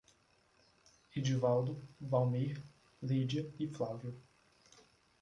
Edvaldo, Valmir, Lídia e Flávio